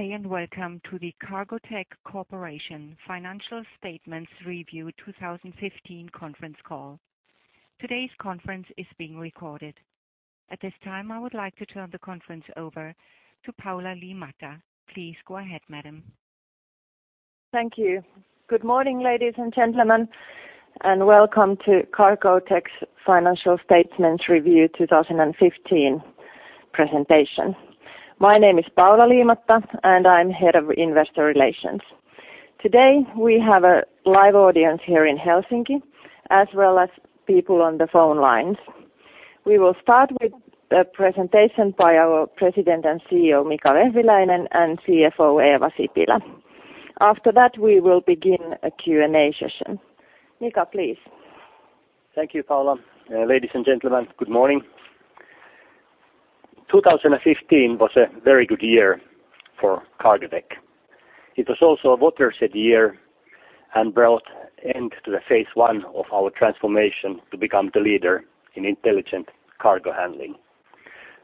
Good day and welcome to the Cargotec Corporation Financial Statements Review 2015 conference call. Today's conference is being recorded. At this time, I would like to turn the conference over to Paula Liimatta. Please go ahead, madam. Thank you. Good morning, ladies and gentlemen, and welcome to Cargotec's Financial Statements Review 2015 presentation. My name is Paula Liimatta, and I'm Head of Investor Relations. Today, we have a live audience here in Helsinki, as well as people on the phone lines. We will start with a presentation by our President and CEO, Mika Vehviläinen, and CFO, Eeva Sipilä. After that, we will begin a Q&A session. Mika, please. Thank you, Paula. Ladies and gentlemen, good morning. 2015 was a very good year for Cargotec. It was also a watershed year and brought end to the phase 1 of our transformation to become the leader in intelligent cargo handling.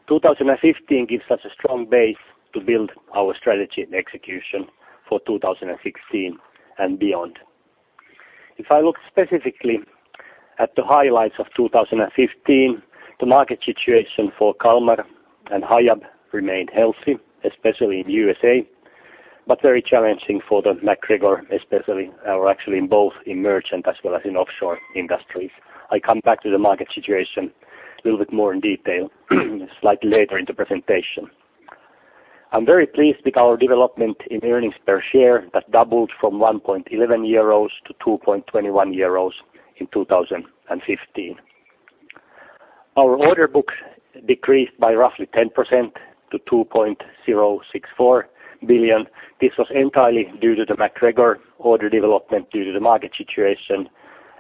2015 gives us a strong base to build our strategy and execution for 2016 and beyond. If I look specifically at the highlights of 2015, the market situation for Kalmar and Hiab remained healthy, especially in USA, but very challenging for the MacGregor, especially, or actually in both in merchant as well as in offshore industries. I come back to the market situation a little bit more in detail slightly later in the presentation. I'm very pleased with our development in earnings per share that doubled from 1.11 euros to 2.21 euros in 2015. Our order books decreased by roughly 10% to 2.064 billion. This was entirely due to the MacGregor order development due to the market situation,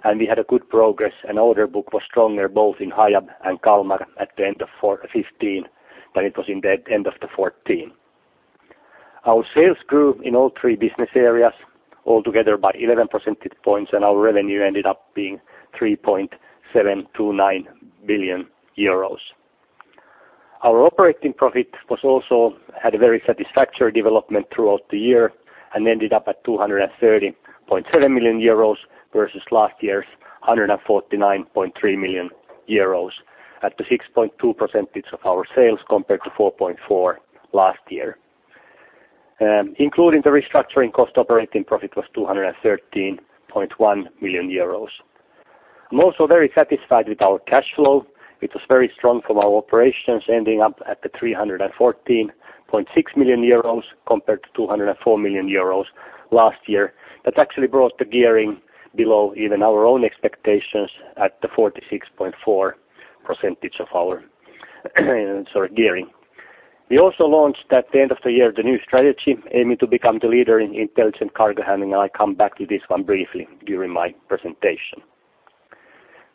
and we had a good progress, and order book was stronger, both in Hiab and Kalmar at the end of 2015 than it was in the end of 2014. Our sales grew in all three business areas, all together by 11 percentage points, and our revenue ended up being 3.729 billion euros. Our operating profit had a very satisfactory development throughout the year and ended up at 230.7 million euros versus last year's 149.3 million euros at the 6.2% of our sales compared to 4.4% last year. Including the restructuring cost, operating profit was 213.1 million euros. I'm also very satisfied with our cash flow. It was very strong from our operations, ending up at 314.6 million euros compared to 204 million euros last year. That actually brought the gearing below even our own expectations at the 46.4% of our, sorry, gearing. We also launched at the end of the year the new strategy aiming to become the leader in intelligent cargo handling. I come back to this one briefly during my presentation.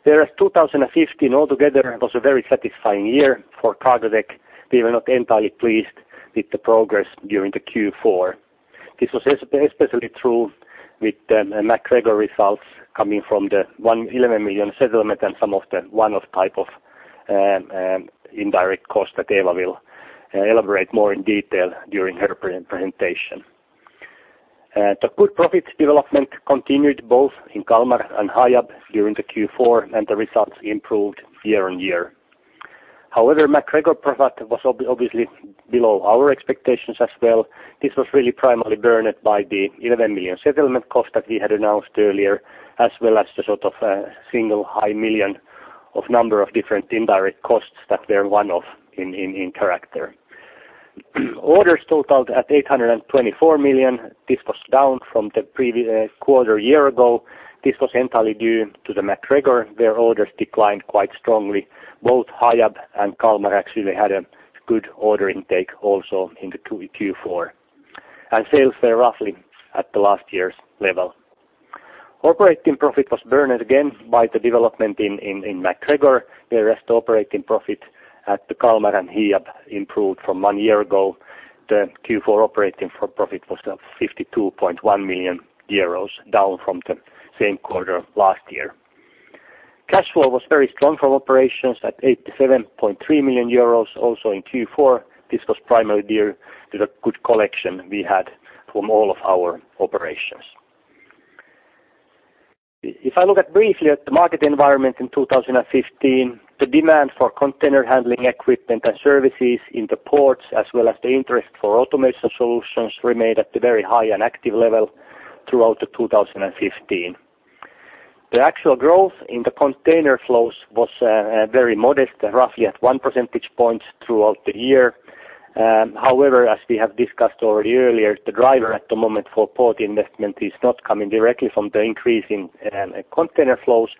Whereas 2015 altogether was a very satisfying year for Cargotec, we were not entirely pleased with the progress during the Q4. This was especially true with the MacGregor results coming from the 11 million settlement and some of the one-off type of indirect costs that Eeva will elaborate more in detail during her presentation. The good profit development continued both in Kalmar and Hiab during the Q4. The results improved year-on-year. However, MacGregor profit was obviously below our expectations as well. This was really primarily burdened by the 11 million settlement cost that we had announced earlier, as well as the sort of, single high million of number of different indirect costs that were one-off in character. Orders totaled at 824 million. This was down from the quarter a year ago. This was entirely due to MacGregor, their orders declined quite strongly. Both Hiab and Kalmar actually had a good order intake also in the two-Q4. Sales were roughly at the last year's level. Operating profit was burdened again by the development in MacGregor. Whereas the operating profit at Kalmar and Hiab improved from one year ago. The Q4 operating profit was at 52.1 million euros, down from the same quarter last year. Cash flow was very strong from operations at 87.3 million euros. Also in Q4, this was primarily due to the good collection we had from all of our operations. If I look at briefly at the market environment in 2015, the demand for container handling equipment and services in the ports, as well as the interest for automation solutions remained at the very high and active level throughout 2015. The actual growth in the container flows was very modest, roughly at 1 percentage point throughout the year. However, as we have discussed already earlier, the driver at the moment for port investment is not coming directly from the increase in container flows,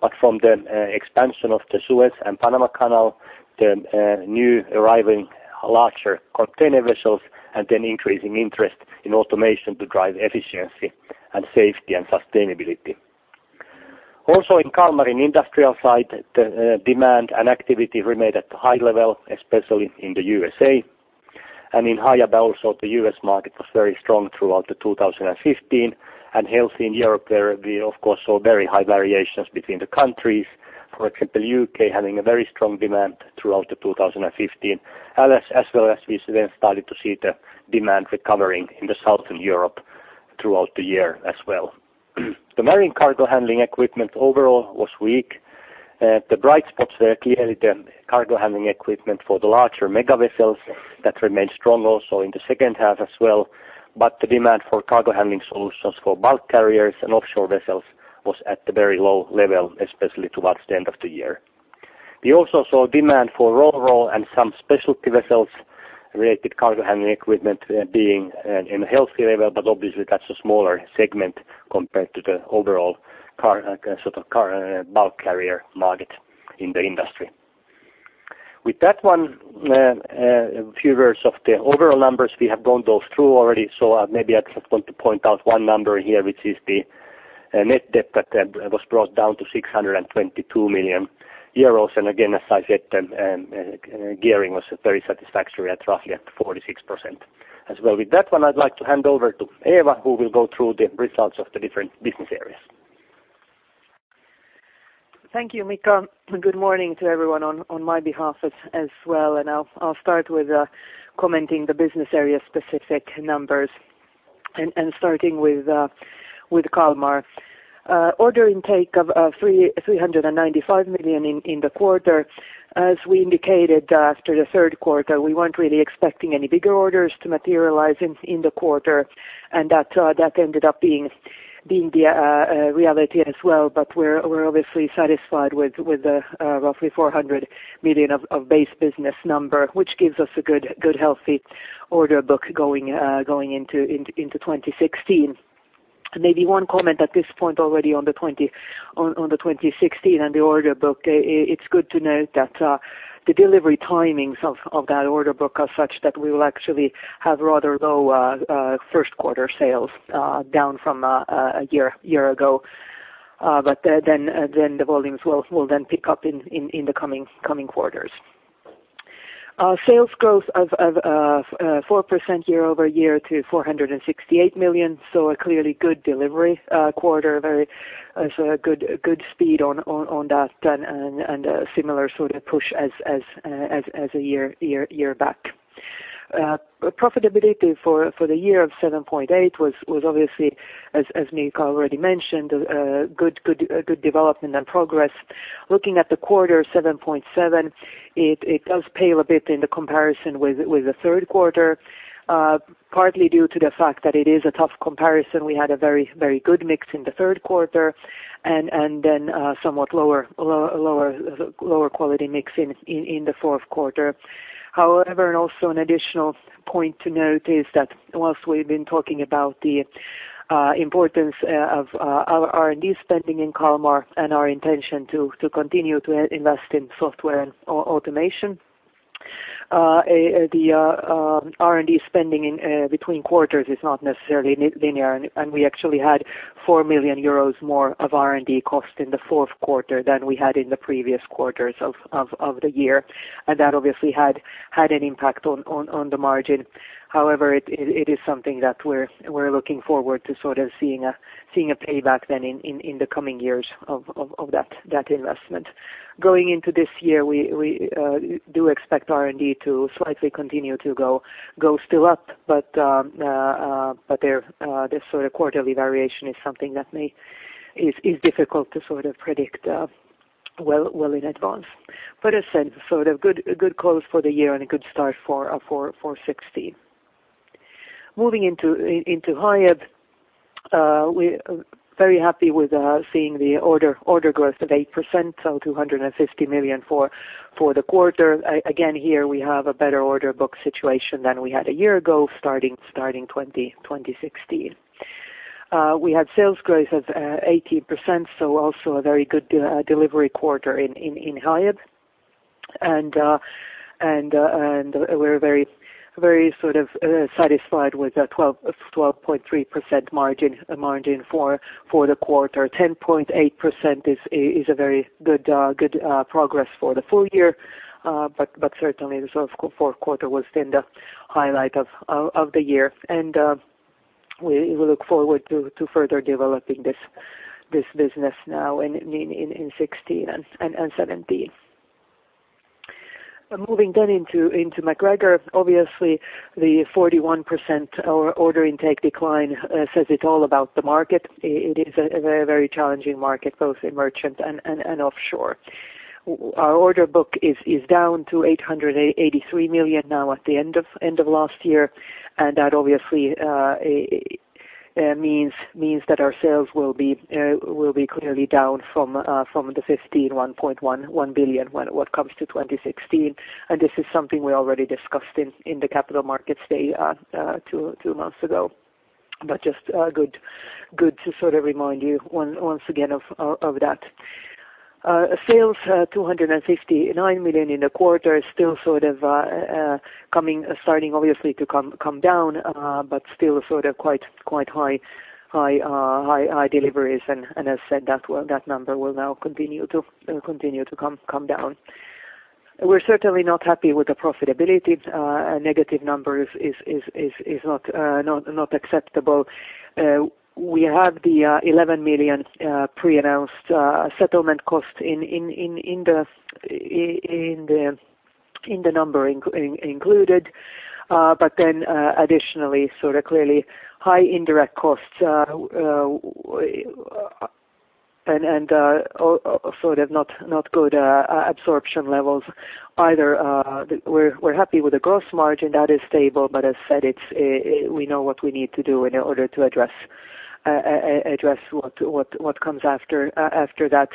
but from the expansion of the Suez Canal and Panama Canal, the new arriving larger container vessels, and an increasing interest in automation to drive efficiency and safety and sustainability. Also, in Kalmar, in industrial side, the demand and activity remained at the high level, especially in the USA. In Hiab also, the US market was very strong throughout 2015, and healthy in Europe, where we, of course, saw very high variations between the countries. For example, UK having a very strong demand throughout 2015. We started to see the demand recovering in Southern Europe throughout the year as well. The marine cargo handling equipment overall was weak. The bright spots were clearly the cargo handling equipment for the larger mega vessels that remained strong also in the second half as well. The demand for cargo handling solutions for bulk carriers and offshore vessels was at the very low level, especially towards the end of the year. We also saw demand for Ro-Ro and some specialty vessels related cargo handling equipment being in a healthy level, obviously that's a smaller segment compared to the overall bulk carrier market in the industry. With that one, few words of the overall numbers we have gone those through already. Maybe I just want to point out one number here, which is the net debt that was brought down to 622 million euros. Again, as I said, gearing was very satisfactory at roughly at 46%. As well with that one, I'd like to hand over to Eeva, who will go through the results of the different business areas. Thank you, Mika. Good morning to everyone on my behalf as well. I'll start with commenting the business area specific numbers and starting with Kalmar. Order intake of 395 million in the quarter. As we indicated after the third quarter, we weren't really expecting any bigger orders to materialize in the quarter, and that ended up being the reality as well. We're obviously satisfied with the roughly 400 million of base business number, which gives us a good, healthy order book going into 2016. Maybe one comment at this point already on the 2016 and the order book. It's good to note that the delivery timings of that order book are such that we will actually have rather low first quarter sales down from a year ago. Then the volumes will then pick up in the coming quarters. Sales growth of 4% year-over-year to 468 million. A clearly good delivery quarter, very, so a good speed on that and a similar sort of push as a year back. Profitability for the year of 7.8% was obviously as Mika Vehviläinen already mentioned, good development and progress. Looking at the quarter 7.7, it does pale a bit in the comparison with the third quarter, partly due to the fact that it is a tough comparison. We had a very, very good mix in the third quarter and then somewhat lower quality mix in the fourth quarter. However, and also an additional point to note is that whilst we've been talking about the importance of our R&D spending in Kalmar and our intention to continue to invest in software and automation. The R&D spending between quarters is not necessarily linear, and we actually had 4 million euros more of R&D cost in the fourth quarter than we had in the previous quarters of the year. That obviously had an impact on the margin. However, it is something that we're looking forward to sort of seeing a payback then in the coming years of that investment. Going into this year, we do expect R&D to slightly continue to go still up, but there this sort of quarterly variation is something that is difficult to sort of predict well in advance. As said, sort of good close for the year and a good start for 2016. Moving into Hiab, we're very happy with seeing the order growth of 8%, so 250 million for the quarter. Again, here we have a better order book situation than we had a year ago starting 2016. We had sales growth of 18%, so also a very good delivery quarter in Hiab. And we're very sort of satisfied with the 12.3% margin for the quarter. 10.8% is a very good progress for the full year. But certainly the sort of fourth quarter was then the highlight of the year. We look forward to further developing this business now in 2016 and 2017. Moving then into MacGregor. Obviously the 41% order intake decline says it all about the market. It is a very challenging market, both in merchant and offshore. Our order book is down to 883 million now at the end of last year, that obviously means that our sales will be clearly down from the 1.1 billion when what comes to 2016. This is something we already discussed in the capital markets day two months ago. Just to sort of remind you once again of that. Sales, 259 million in the quarter, still sort of coming, starting obviously to come down, but still sort of quite high deliveries. As said, that number will now continue to come down. We're certainly not happy with the profitability. A negative number is not acceptable. We have the 11 million pre-announced settlement cost in the number included. Additionally, so they're clearly high indirect costs, and sort of not good absorption levels either. We're happy with the gross margin that is stable, but as said, it's, we know what we need to do in order to address what comes after that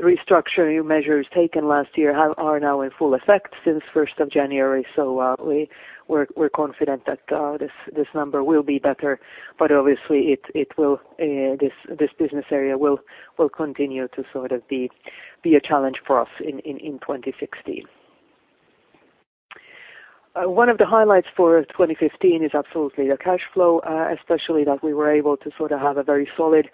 restructuring measures taken last year are now in full effect since first of January. We're confident that this number will be better. Obviously it will, this business area will continue to sort of be a challenge for us in 2016. One of the highlights for 2015 is absolutely the cash flow, especially that we were able to sort of have a very solid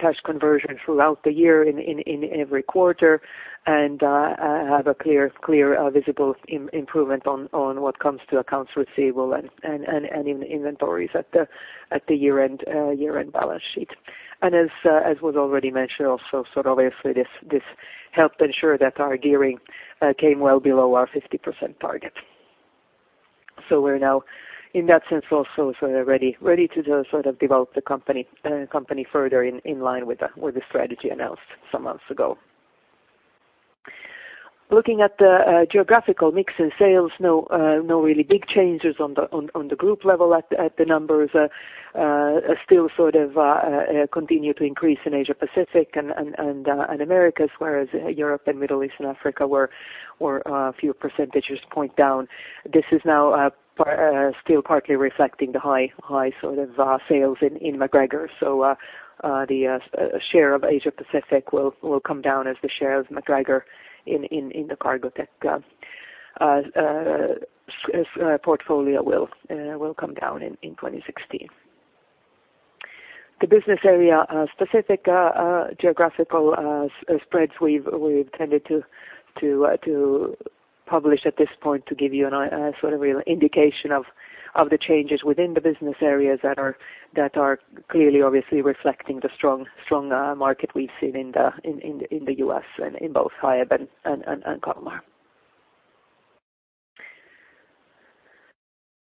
cash conversion throughout the year in every quarter, and have a clear visible improvement on what comes to accounts receivable and inventories at the year-end balance sheet. As was already mentioned also, obviously this helped ensure that our gearing came well below our 50% target. We're now in that sense also sort of ready to do sort of develop the company further in line with the strategy announced some months ago. Looking at the geographical mix in sales, no really big changes on the group level at the numbers. Still sort of continue to increase in Asia Pacific and Americas, whereas Europe and Middle East and Africa were a few percentages point down. This is now still partly reflecting the high sort of sales in MacGregor. The share of Asia Pacific will come down as the share of MacGregor in the Cargotec portfolio will come down in 2016. The business area specific geographical spreads we've tended to publish at this point to give you a sort of real indication of the changes within the business areas that are clearly obviously reflecting the strong market we've seen in the US and in both Hiab and Kalmar.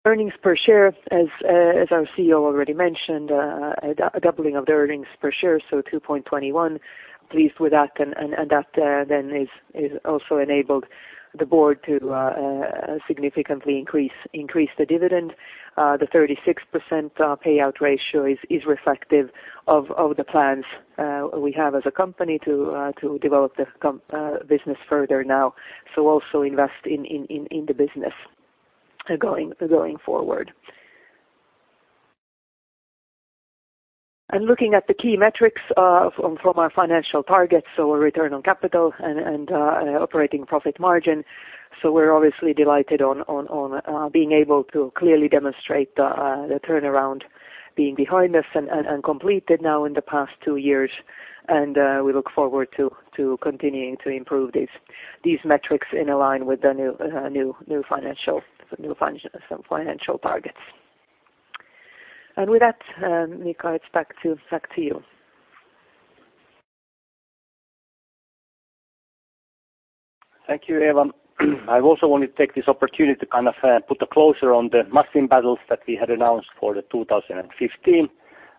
Earnings per share, as our CEO already mentioned, a doubling of the earnings per share, so 2.21. Pleased with that and that then is also enabled the board to significantly increase the dividend. The 36% payout ratio is reflective of the plans we have as a company to develop the business further now. Also invest in the business going forward. Looking at the key metrics from our financial targets, so return on capital and operating profit margin. We're obviously delighted on being able to clearly demonstrate the turnaround being behind us and completed now in the past two years. We look forward to continuing to improve these metrics in a line with the new financial, new financial targets. With that, Mika, it's back to you. Thank you, Eeva. I also want to take this opportunity to kind of, put a closure on the Must-Win Battles that we had announced for the 2015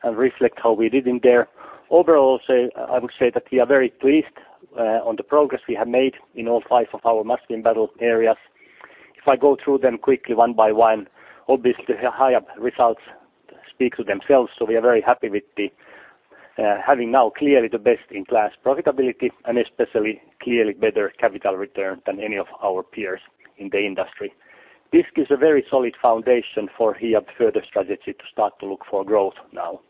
and reflect how we did in there. Overall I would say that we are very pleased, on the progress we have made in all five of our Must-Win Battle areas. If I go through them quickly, one by one, obviously the Hiab results speak to themselves, so we are very happy with the, having now clearly the best-in-class profitability and especially clearly better capital return than any of our peers in the industry. This gives a very solid foundation for Hiab further strategy to start to look for growth now.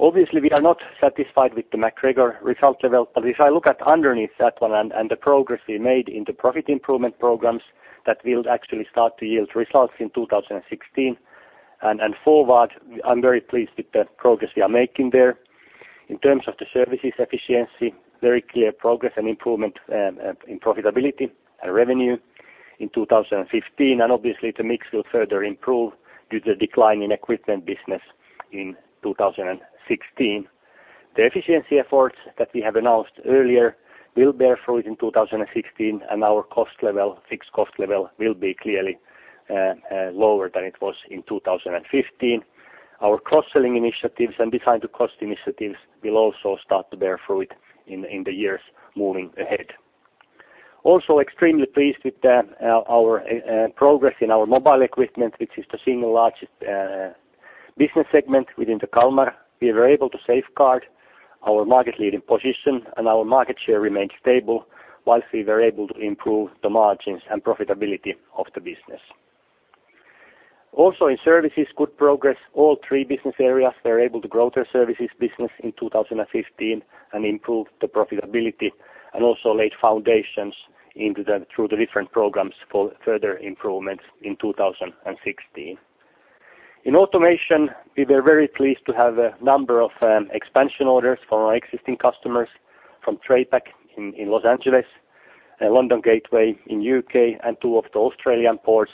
Obviously, we are not satisfied with the MacGregor result level, if I look at underneath that one and the progress we made in the profit improvement programs, that will actually start to yield results in 2016. Forward, I'm very pleased with the progress we are making there. In terms of the services efficiency, very clear progress and improvement in profitability and revenue in 2015. Obviously the mix will further improve due to decline in equipment business in 2016. The efficiency efforts that we have announced earlier will bear fruit in 2016, and our cost level, fixed cost level will be clearly lower than it was in 2015. Our cross-selling initiatives and design-to-cost initiatives will also start to bear fruit in the years moving ahead. Also extremely pleased with the, our, progress in our mobile equipment, which is the single largest business segment within the Kalmar. We were able to safeguard our market leading position and our market share remained stable whilst we were able to improve the margins and profitability of the business. Also in services, good progress. All three business areas were able to grow their services business in 2015 and improve the profitability and also laid foundations through the different programs for further improvements in 2016. In automation, we were very pleased to have a number of expansion orders for our existing customers from TraPac in Los Angeles, and London Gateway in U.K. and two of the Australian ports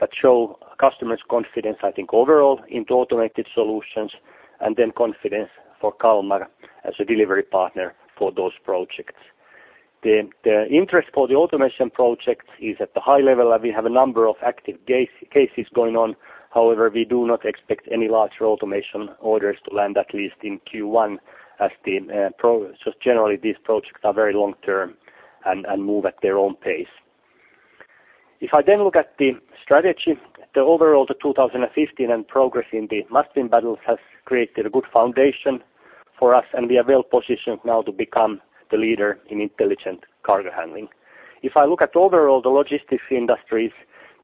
that show customers' confidence, I think overall into automated solutions and then confidence for Kalmar as a delivery partner for those projects. The interest for the automation project is at the high level, and we have a number of active cases going on. However, we do not expect any larger automation orders to land, at least in Q1 as generally, these projects are very long-term and move at their own pace. If I look at the strategy, the overall 2015 and progress in the Must-Win Battles has created a good foundation for us, and we are well-positioned now to become the leader in intelligent cargo handling. If I look at overall the logistics industries,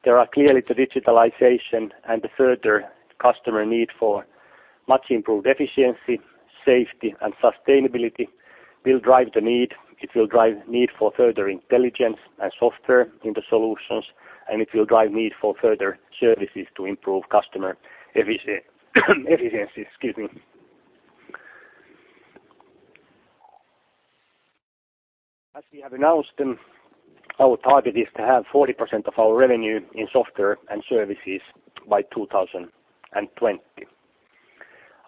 there are clearly the digitalization and the further customer need for much improved efficiency, safety and sustainability will drive the need. It will drive need for further intelligence and software in the solutions, and it will drive need for further services to improve customer efficiency. Excuse me. As we have announced, our target is to have 40% of our revenue in software and services by 2020.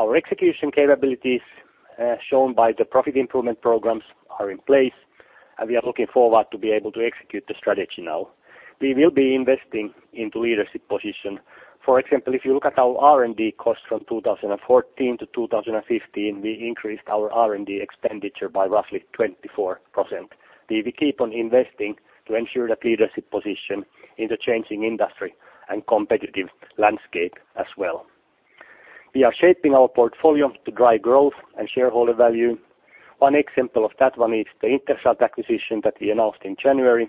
Our execution capabilities, shown by the profit improvement programs are in place, we are looking forward to be able to execute the strategy now. We will be investing into leadership position. For example, if you look at our R&D costs from 2014 to 2015, we increased our R&D expenditure by roughly 24%. We keep on investing to ensure the leadership position in the changing industry and competitive landscape as well. We are shaping our portfolio to drive growth and shareholder value. One example of that one is the INTERSCHALT acquisition that we announced in January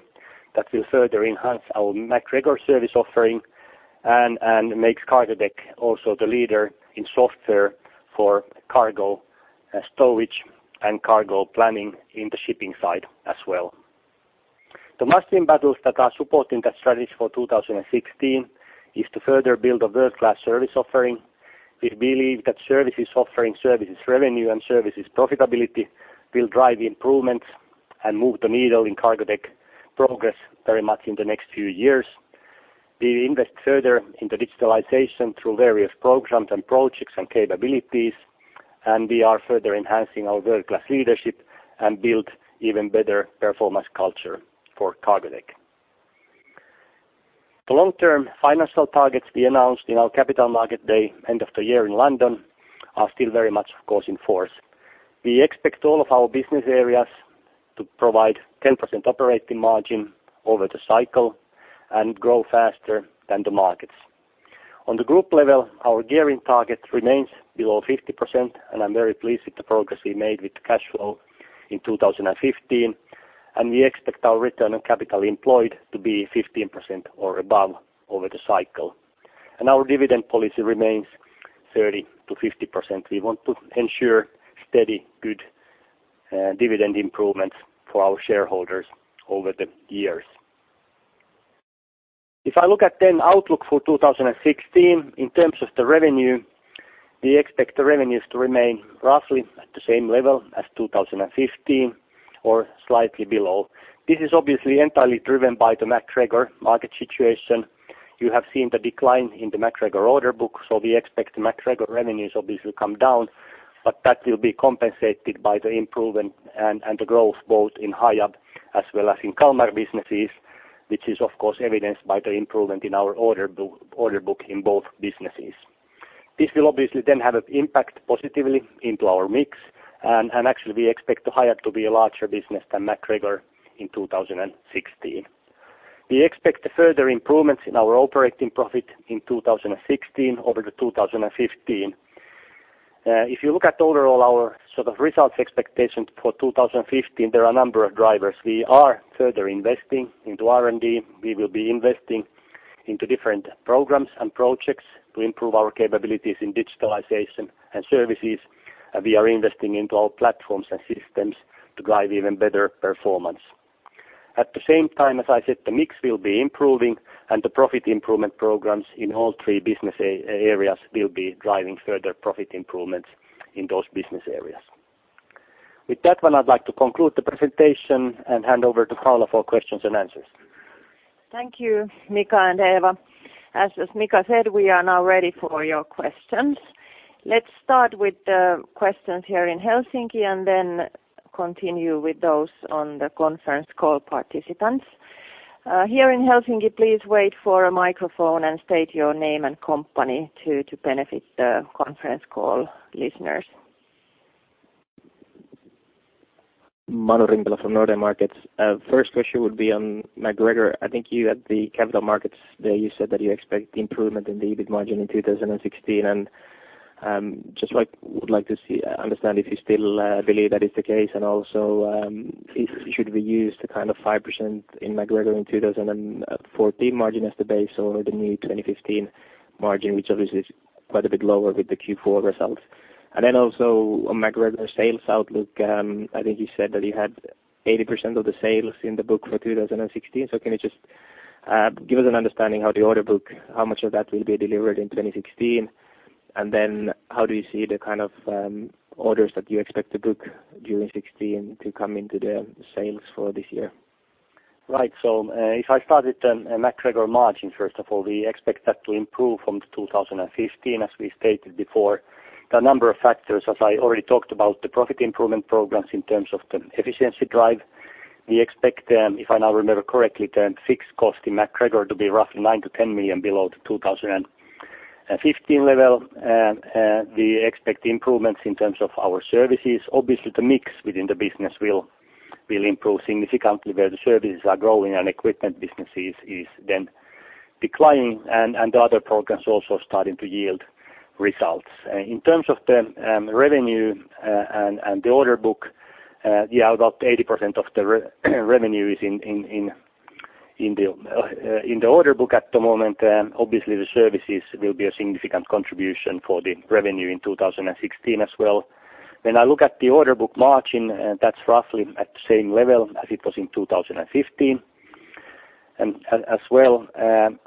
that will further enhance our MacGregor service offering and makes Cargotec also the leader in software for cargo storage and cargo planning in the shipping side as well. The Must-Win Battles that are supporting that strategy for 2016 is to further build a world-class service offering. We believe that services offering, services revenue and services profitability will drive improvements and move the needle in Cargotec progress very much in the next few years. We invest further in the digitalization through various programs and projects and capabilities, and we are further enhancing our world-class leadership and build even better performance culture for Cargotec. The long-term financial targets we announced in our capital market day end of the year in London are still very much, of course, in force. We expect all of our business areas to provide 10% operating margin over the cycle and grow faster than the markets. On the group level, our gearing target remains below 50%, and I'm very pleased with the progress we made with cash flow in 2015. We expect our return on capital employed to be 15% or above over the cycle. Our dividend policy remains 30%-50%. We want to ensure steady good, dividend improvements for our shareholders over the years. If I look at then outlook for 2016 in terms of the revenue, we expect the revenues to remain roughly at the same level as 2015 or slightly below. This is obviously entirely driven by the MacGregor market situation. You have seen the decline in the MacGregor order book, so we expect MacGregor revenues obviously come down, but that will be compensated by the improvement and the growth both in Hiab as well as in Kalmar businesses, which is of course evidenced by the improvement in our order book in both businesses. This will obviously then have an impact positively into our mix. Actually we expect the Hiab to be a larger business than MacGregor in 2016. We expect further improvements in our operating profit in 2016 over the 2015. If you look at overall our sort of results expectations for 2015, there are a number of drivers. We are further investing into R&D. We will be investing into different programs and projects to improve our capabilities in digitalization and services. We are investing into our platforms and systems to drive even better performance. At the same time, as I said, the mix will be improving and the profit improvement programs in all three business areas will be driving further profit improvements in those business areas. With that one, I'd like to conclude the presentation and hand over to Paula for questions and answers. Thank you, Mika and Eeva. As Mika said, we are now ready for your questions. Let's start with the questions here in Helsinki and then continue with those on the conference call participants. Here in Helsinki, please wait for a microphone and state your name and company to benefit the conference call listeners. Manu Rimpelä from Nordea Markets. First question would be on MacGregor. I think you at the capital markets there you said that you expect improvement in the EBIT margin in 2016. I would like to see understand if you still believe that is the case and also if should we use the kind of 5% in MacGregor in 2014 margin as the base or the new 2015 margin, which obviously is quite a bit lower with the Q4 results. Also on MacGregor sales outlook, I think you said that you had 80% of the sales in the book for 2016. Can you just give us an understanding how the order book, how much of that will be delivered in 2016? How do you see the kind of orders that you expect to book during 2016 to come into the sales for this year? Right. If I started on MacGregor margin, first of all, we expect that to improve from 2015, as we stated before. The number of factors, as I already talked about the profit improvement programs in terms of the efficiency drive. We expect, if I now remember correctly, the fixed cost in MacGregor to be roughly 9 million-10 million below the 2015 level. We expect improvements in terms of our services. Obviously, the mix within the business will improve significantly where the services are growing and equipment businesses is then declining and the other programs also starting to yield results. In terms of the revenue and the order book, yeah, about 80% of the revenue is in the order book at the moment. Obviously the services will be a significant contribution for the revenue in 2016 as well. When I look at the order book margin, that's roughly at the same level as it was in 2015. As well,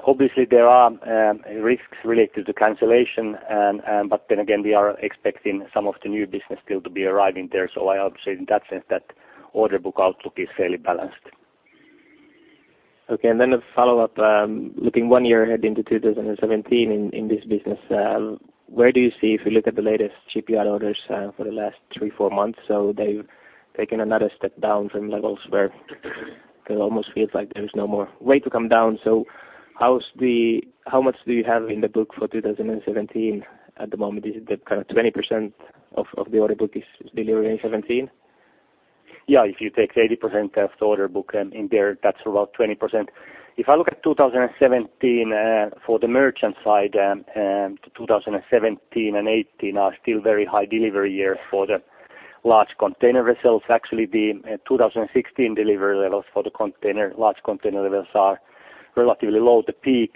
obviously there are risks related to cancellation. But then again we are expecting some of the new business still to be arriving there. I would say in that sense that order book outlook is fairly balanced. Okay. A follow-up, looking one year ahead into 2017 in this business, where do you see if you look at the latest GPR orders for the last three, four months? They've taken another step down from levels where it almost feels like there's no more way to come down. How much do you have in the book for 2017 at the moment? Is it that kind of 20% of the order book is delivered in 2017? Yeah. If you take 80% of the order book, in there, that's about 20%. If I look at 2017, for the merchant side, 2017 and 2018 are still very high delivery years for the large container vessels. Actually, the 2016 delivery levels for the container, large container levels are relatively low. The peak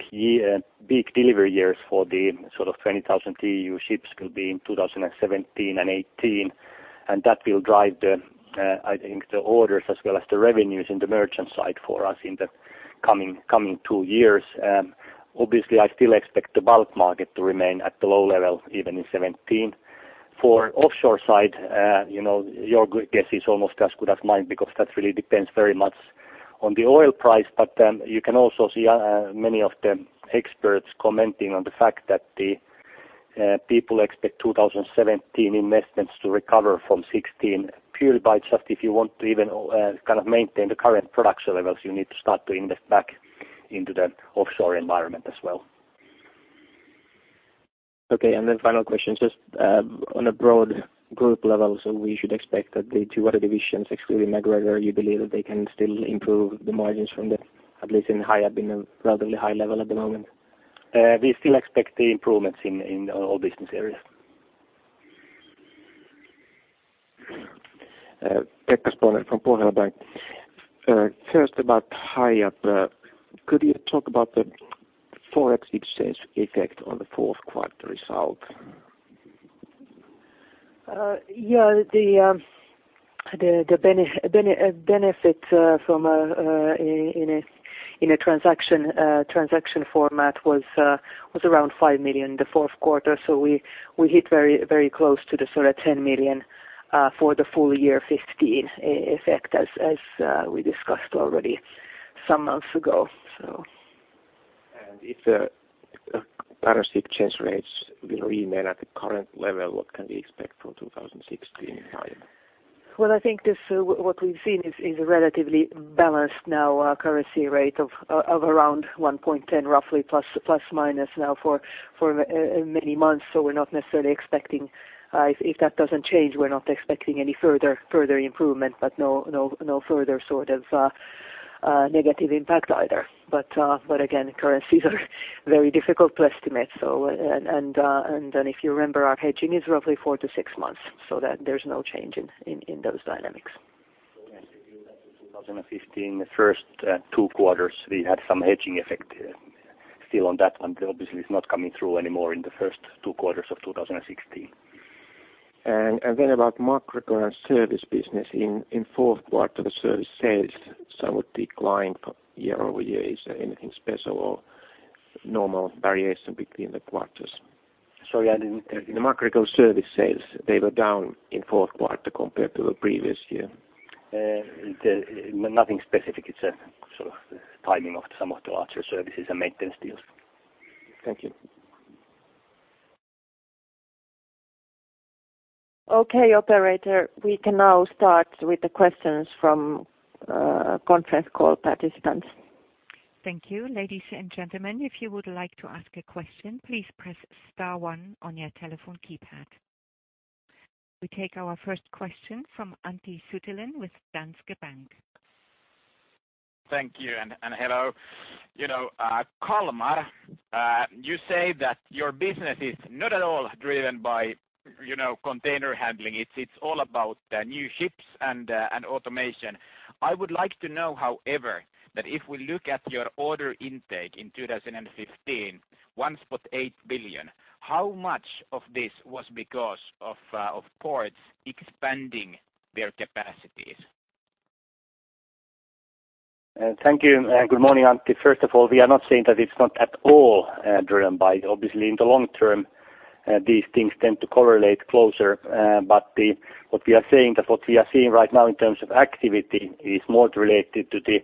delivery years for the sort of 20,000 TEU ships could be in 2017 and 2018, and that will drive the, I think the orders as well as the revenues in the merchant side for us in the coming two years. Obviously, I still expect the bulk market to remain at the low level, even in 2017. For offshore side, you know, your good guess is almost as good as mine because that really depends very much on the oil price. You can also see, many of the experts commenting on the fact that the people expect 2017 investments to recover from 2016 purely by just if you want to even kind of maintain the current production levels, you need to start to invest back into the offshore environment as well. Okay. Final question, just on a broad group level, we should expect that the two other divisions excluding MacGregor, you believe that they can still improve the margins from the at least in Hiab in a relatively high level at the moment? We still expect the improvements in all business areas. Pekka Spolander from Pohjola Bank. First about Hiab, could you talk about the forex exchange effect on the fourth quarter result? Yeah. The benefit from in a transaction format was around 5 million in the fourth quarter. We hit very close to the sort of 10 million for the full year 2015 effect as we discussed already some months ago, so. If the currency exchange rates will remain at the current level, what can we expect for 2016 in Hiab? Well, I think this what we've seen is a relatively balanced now currency rate of around 1.10 roughly plus minus now for many months. We're not necessarily expecting if that doesn't change, we're not expecting any further improvement, but no further sort of negative impact either. Again, currencies are very difficult to estimate. If you remember, our hedging is roughly four to six months, so that there's no change in those dynamics. 2015, the first two quarters we had some hedging effect still on that one. Obviously it's not coming through anymore in the first two quarters of 2016. About MacGregor service business. In fourth quarter, the service sales somewhat declined year-over-year. Is anything special or normal variation between the quarters? Sorry, I didn't- The MacGregor service sales, they were down in fourth quarter compared to the previous year. Nothing specific. It's a sort of timing of some of the larger services and maintenance deals. Thank you. Okay. Operator, we can now start with the questions from conference call participants. Thank you. Ladies and gentlemen, if you would like to ask a question, please press star one on your telephone keypad. We take our first question from Antti Suttelin with Danske Bank. Thank you and hello. You know, Kalmar, you say that your business is not at all driven by, you know, container handling. It's all about the new ships and automation. I would like to know, however, that if we look at your order intake in 2015, 1.8 billion, how much of this was because of ports expanding their capacities? Thank you and good morning, Antti. First of all, we are not saying that it's not at all driven by. Obviously, in the long term, these things tend to correlate closer. What we are saying that what we are seeing right now in terms of activity is more related to the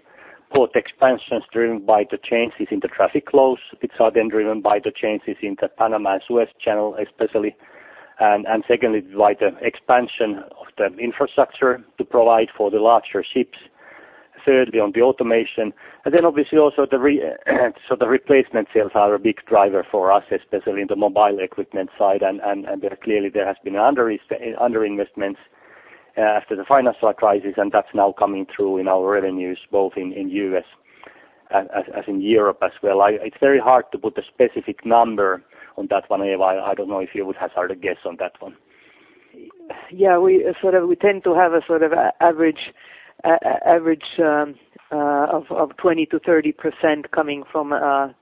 port expansions driven by the changes in the traffic flows, which are then driven by the changes in the Panama Canal and Suez Canal especially. Secondly, by the expansion of the infrastructure to provide for the larger ships. Thirdly, on the automation. Then obviously also the replacement sales are a big driver for us, especially in the mobile equipment side. There clearly there has been underinvestments after the financial crisis, and that's now coming through in our revenues, both in U.S. as, as in Europe as well. It's very hard to put a specific number on that one. Eeva, I don't know if you would have a guess on that one? Yeah, we sort of, we tend to have a sort of average of 20% to 30% coming from.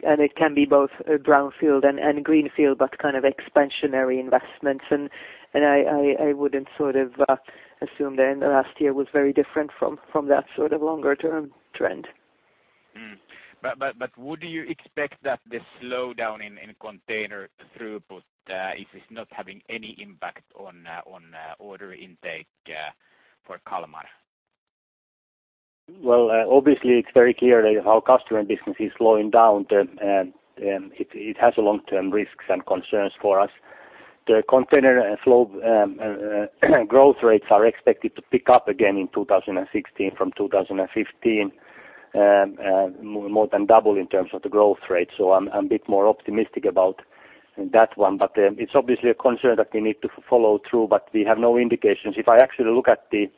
It can be both brownfield and greenfield, but kind of expansionary investments. I wouldn't sort of assume that in the last year was very different from that sort of longer term trend. Would you expect that the slowdown in container throughput is not having any impact on order intake for Kalmar? Well, obviously, it's very clear that if our customer business is slowing down, then, it has a long-term risks and concerns for us. The container flow, growth rates are expected to pick up again in 2016 from 2015, more than double in terms of the growth rate. I'm a bit more optimistic about that one. It's obviously a concern that we need to follow through, but we have no indications. If I actually look at the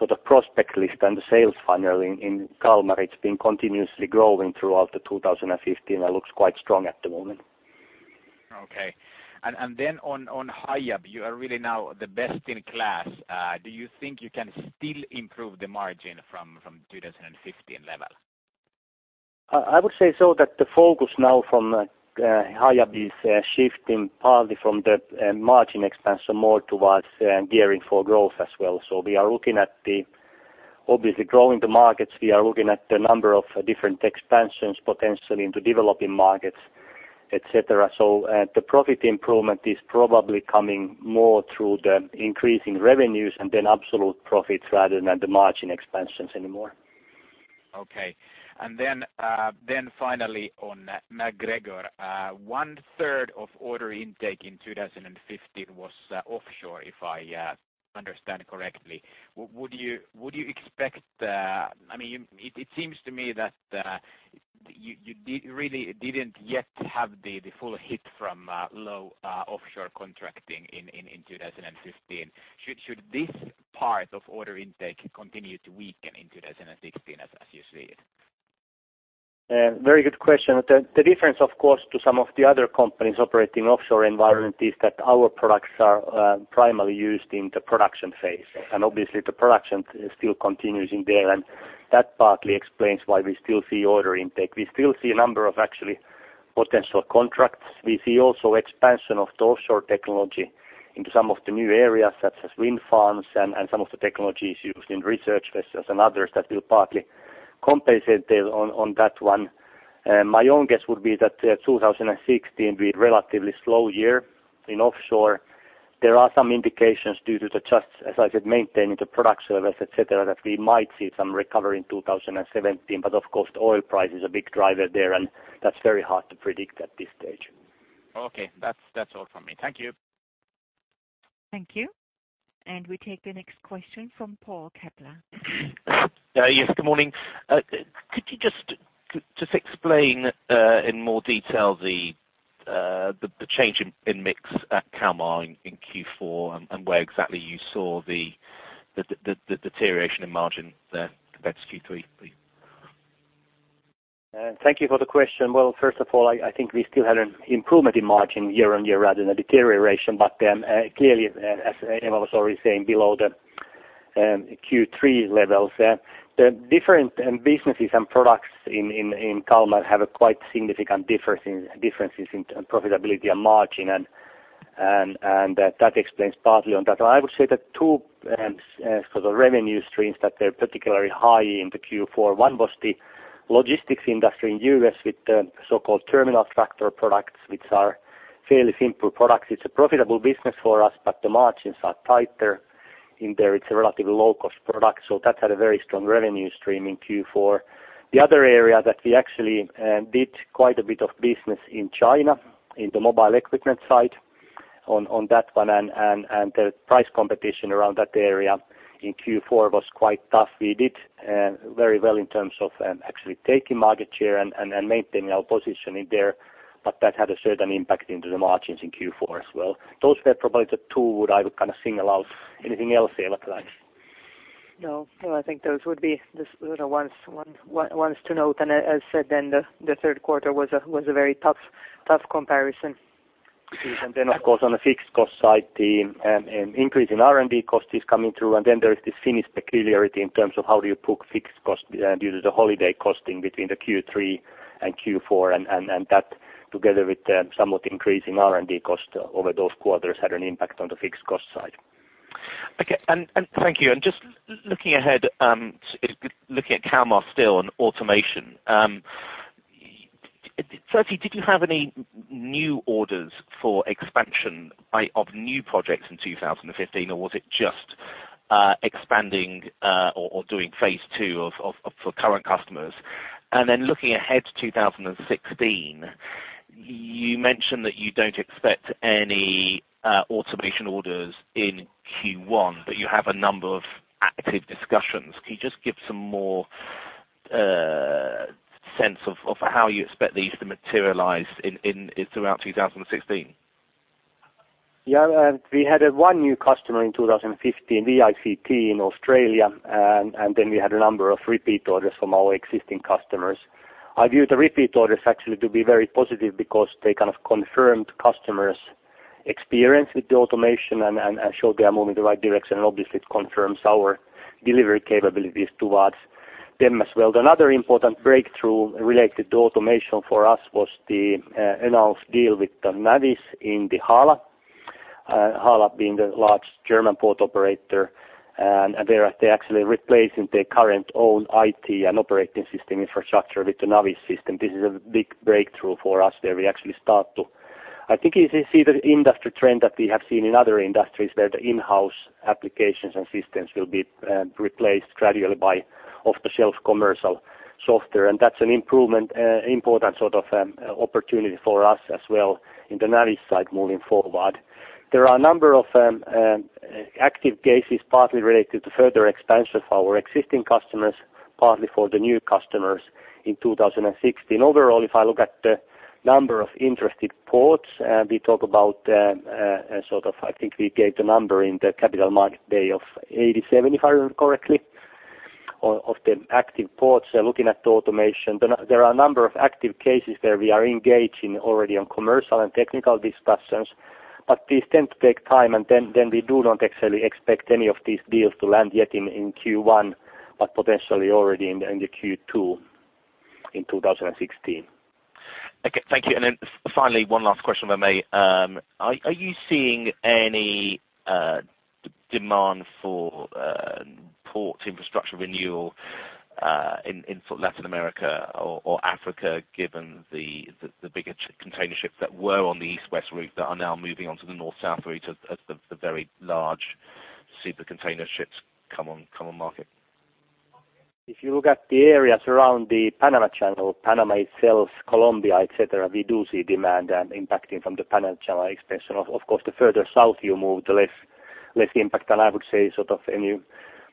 sort of prospect list and the sales funnel in Kalmar, it's been continuously growing throughout 2015. It looks quite strong at the moment. Okay. Then on Hiab, you are really now the best in class. Do you think you can still improve the margin from 2015 level? I would say so that the focus now from Hiab is shifting partly from the margin expansion more towards gearing for growth as well. We are looking at the obviously growing the markets. We are looking at the number of different expansions potentially into developing markets, et cetera. The profit improvement is probably coming more through the increasing revenues and then absolute profits rather than the margin expansions anymore. Okay. Then, then finally on MacGregor, one-third of order intake in 2015 was offshore, if I understand correctly. Would you expect, I mean, it seems to me that, you did really didn't yet have the full hit from low offshore contracting in 2015. Should this part of order intake continue to weaken in 2016 as you see it? Very good question. The difference, of course, to some of the other companies operating offshore environment is that our products are primarily used in the production phase. Obviously the production still continues in there. That partly explains why we still see order intake. We still see a number of actually potential contracts. We see also expansion of the offshore technology into some of the new areas, such as wind farms and some of the technologies used in research vessels and others that will partly compensate there on that one. My own guess would be that 2016 be relatively slow year in offshore. There are some indications due to the just, as I said, maintaining the product service, et cetera, that we might see some recovery in 2017. Of course, the oil price is a big driver there, and that's very hard to predict at this stage. Okay. That's all from me. Thank you. Thank you. We take the next question from Paul Kepler. Good morning. Could you just explain, in more detail the change in mix at Kalmar in Q4 and where exactly you saw the deterioration in margin there compared to Q3, please? Thank you for the question. Well, first of all, I think we still had an improvement in margin year-on-year rather than a deterioration. Clearly, as Eeva was already saying, below the Q3 levels. The different businesses and products in Kalmar have quite significant differences in profitability and margin, and that explains partly on that one. I would say the two sort of revenue streams that they're particularly high in the Q4, one was the logistics industry in U.S. with the so-called terminal tractor products, which are fairly simple products. It's a profitable business for us, but the margins are tighter in there. It's a relatively low-cost product, that had a very strong revenue stream in Q4. The other area that we actually did quite a bit of business in China, in the mobile equipment side on that one, and the price competition around that area in Q4 was quite tough. We did very well in terms of actually taking market share and maintaining our position in there, but that had a certain impact into the margins in Q4 as well. Those were probably the two would I would kind of single out. Anything else, Eva, to add? No. No, I think those would be the sort of ones to note. As said, then the third quarter was a very tough comparison. Then, of course, on the fixed cost side, the increase in R&D cost is coming through, and then there is this Finnish peculiarity in terms of how do you book fixed cost due to the holiday costing between the Q3 and Q4, and that together with the somewhat increasing R&D cost over those quarters had an impact on the fixed cost side. Okay. Thank you. Just looking ahead, looking at Kalmar still and automation. Firstly, did you have any new orders for expansion of new projects in 2015 or was it just expanding or doing phase two of for current customers? Then looking ahead to 2016, you mentioned that you don't expect any automation orders in Q1, but you have a number of active discussions. Can you just give some more sense of how you expect these to materialize throughout 2016? We had one new customer in 2015, the ICT in Australia. We had a number of repeat orders from our existing customers. I view the repeat orders actually to be very positive because they kind of confirmed customers' experience with the automation and showed they are moving the right direction. Obviously it confirms our delivery capabilities towards them as well. Another important breakthrough related to automation for us was the announced deal with the Navis in the HHLA. HHLA being the large German port operator, there they're actually replacing their current own IT and operating system infrastructure with the Navis system. This is a big breakthrough for us where we actually start to. I think you see the industry trend that we have seen in other industries, where the in-house applications and systems will be replaced gradually by off-the-shelf commercial software. That's an important sort of opportunity for us as well in the Navis side moving forward. There are a number of active cases, partly related to further expansion of our existing customers, partly for the new customers in 2016. Overall, if I look at the number of interested ports, we talk about sort of I think we gave the number in the Capital Market Day of 87, if I remember correctly, of the active ports looking at automation. There are a number of active cases where we are engaging already on commercial and technical discussions, but these tend to take time, and then we do not actually expect any of these deals to land yet in Q1, but potentially already in the Q2 in 2016. Okay. Thank you. Then finally, one last question if I may. Are you seeing any demand for port infrastructure renewal in Latin America or Africa, given the bigger container ships that were on the East-West route that are now moving on to the North-South route as the very large super container ships come on market? If you look at the areas around the Panama Canal, Panama itself, Colombia, et cetera, we do see demand impacting from the Panama Canal expansion. Of course, the further south you move, the less impact. I would say sort of, and you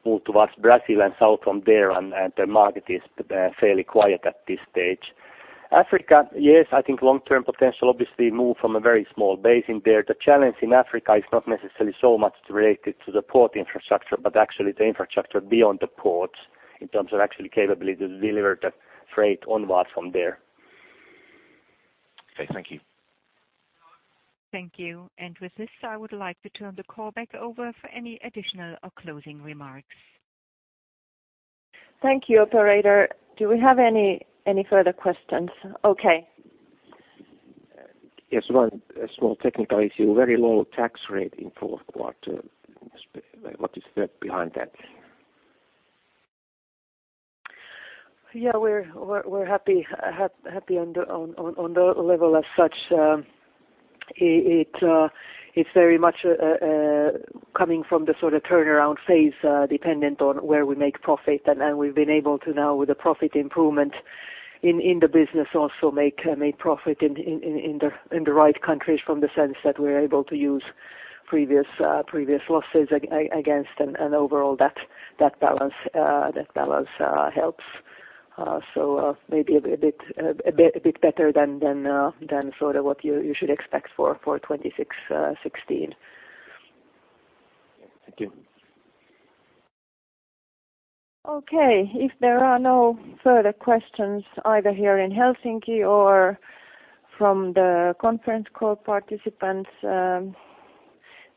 move towards Brazil and south from there and the market is fairly quiet at this stage. Africa, yes, I think long-term potential obviously move from a very small base in there. The challenge in Africa is not necessarily so much related to the port infrastructure, but actually the infrastructure beyond the ports in terms of actually capability to deliver the freight onward from there. Okay. Thank you. Thank you. With this, I would like to turn the call back over for any additional or closing remarks. Thank you, operator. Do we have any further questions? Okay. Yes, one small technical issue. Very low tax rate in fourth quarter. What is the behind that? Yeah. We're happy on the level as such. It's very much coming from the sort of turnaround phase, dependent on where we make profit, and then we've been able to now with the profit improvement in the business also make profit in the right countries from the sense that we're able to use previous previous losses against and overall that balance helps. Maybe a bit better than sort of what you should expect for 2016. Thank you. Okay. If there are no further questions either here in Helsinki or from the conference call participants,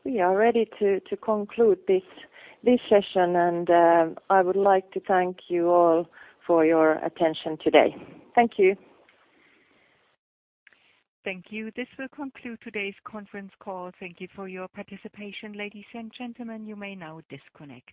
we are ready to conclude this session. I would like to thank you all for your attention today. Thank you. Thank you. This will conclude today's conference call. Thank you for your participation, ladies and gentlemen. You may now disconnect.